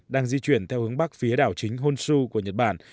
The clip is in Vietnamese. đang di chuyển theo hướng bắc phía đảo chính honsu của nhật bản